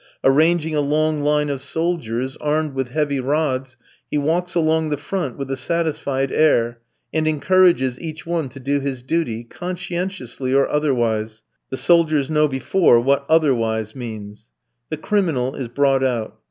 Arranging a long line of soldiers, armed with heavy rods, he walks along the front with a satisfied air, and encourages each one to do his duty, conscientiously or otherwise the soldiers know before what "otherwise" means. The criminal is brought out.